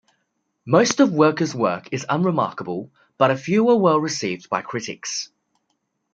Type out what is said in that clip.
Most of Werker's work is unremarkable, but a few were well received by critics.